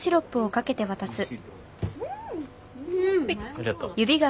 ありがとう。